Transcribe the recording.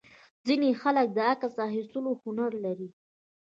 ځینې خلک د عکس اخیستلو هنر لري.